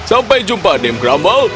sampai jumpa dame grumble